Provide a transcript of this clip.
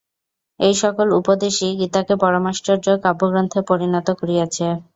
এই-সকল উপদেশই গীতাকে পরমাশ্চর্য কাব্যগ্রন্থে পরিণত করিয়াছে।